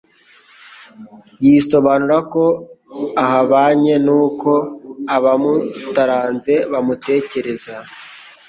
yisobanura ko ahabanye n'uko abamutaranze bamutekereza.